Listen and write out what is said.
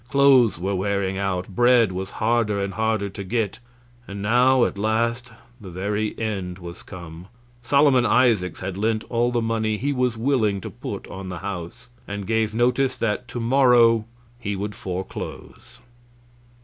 Clothes were wearing out, bread was harder and harder to get. And now, at last, the very end was come. Solomon Isaacs had lent all the money he was willing to put on the house, and gave notice that to morrow he would foreclose.